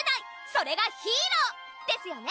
「それがヒーロー」ですよね